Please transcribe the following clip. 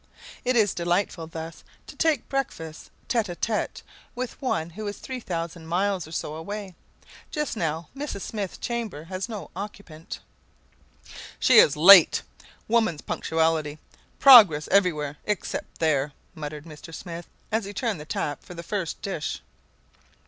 It is delightful thus to take breakfast tête à tête with one who is 3000 miles or so away. Just now, Mrs. Smith's chamber has no occupant. "She is late! Woman's punctuality! Progress everywhere except there!" muttered Mr. Smith as he turned the tap for the first dish.